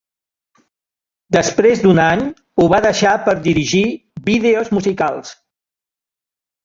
Després d'un any ho va deixar per dirigir vídeos musicals.